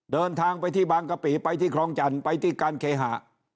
เดินทางไปที่บางกะปิไปที่ครองจันทร์ไปที่การเคหะ